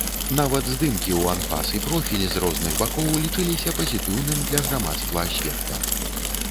Нават здымкі у анфас і профіль з розных бакоў лічыліся пазітыўным для грамадства аспектам.